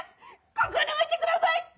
ここに置いてください！